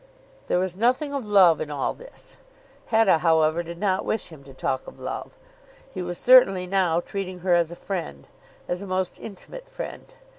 There was nothing of love in all this. Hetta, however, did not wish him to talk of love. He was certainly now treating her as a friend, as a most intimate friend.